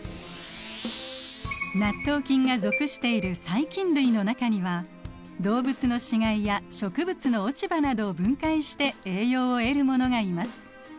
納豆菌が属している細菌類の中には動物の死骸や植物の落ち葉などを分解して栄養を得るものがいます。